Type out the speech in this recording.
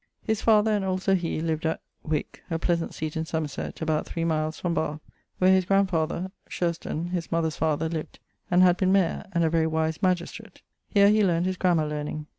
His father, and also he, lived at ... wyck, a pleasant seate in Somerset, about 3 miles from Bathe, where his grand father, ... Sherston, his mother's father, lived, and had been mayer, and a very wise magistrate; here he learn't his grammar learning.